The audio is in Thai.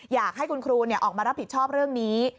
อยากให้คุณครูออกมารับผิดชอบเรื่องนี้